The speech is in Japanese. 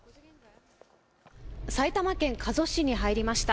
埼玉県加須市に入りました。